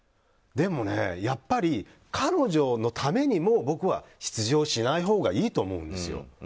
でも、やっぱり彼女のためにも僕は出場しないほうがいいと思うんです。